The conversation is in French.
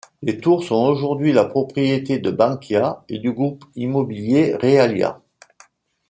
Les tours sont aujourd'hui la propriété de Bankia et du groupe immobilier Realia.